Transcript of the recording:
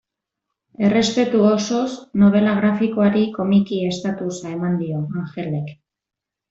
Errespetu osoz, nobela grafikoari komiki estatusa eman dio Angelek.